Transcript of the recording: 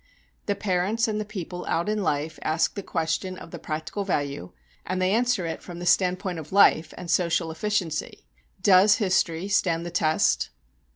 The parents and the people out in life ask the question of the practical value, and they answer it from the standpoint of life and social efficiency. Does history stand the test?